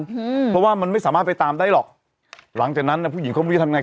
อืมเพราะว่ามันไม่สามารถไปตามได้หรอกหลังจากนั้นน่ะผู้หญิงเขาไม่รู้จะทำไง